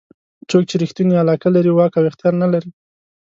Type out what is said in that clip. څوک چې ریښتونې علاقه لري واک او اختیار نه لري.